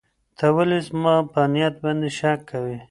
ته ولې زما په نیت باندې شک کوې؟